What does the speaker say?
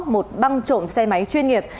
một băng trộm xe máy chuyên nghiệp